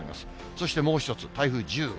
そしてもう一つ、台風１０号。